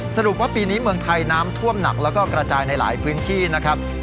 สรุปว่าปีนี้เมืองไทยน้ำท่วมหนักแล้วก็กระจายในหลายพื้นที่นะครับ